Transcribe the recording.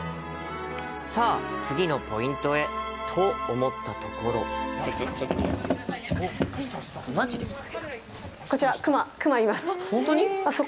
さあ、次のポイントへと、思ったところこちら。